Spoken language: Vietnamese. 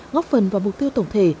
góp phần vào mục tiêu tổng thể